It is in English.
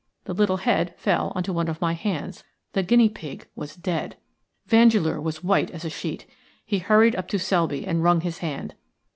The little head fell on to one of my hands – the guinea pig was dead. Vandeleur was white as a sheet. He hurried up to Selby and wrung his hand.